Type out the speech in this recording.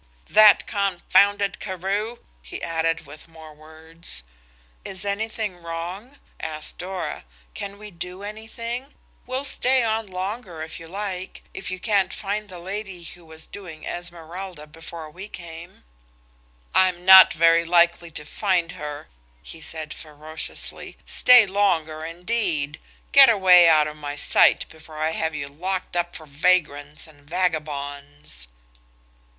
"That confounded Carew!" he added, with more words. "Is anything wrong?" asked Dora–"can we do anything? We'll stay on longer if you like–if you can't find the lady who was doing Esmeralda before we came." "I'm not very likely to find her," he said ferociously. "Stay longer indeed! Get away out of my sight before I have you locked up for vagrants and vagabonds."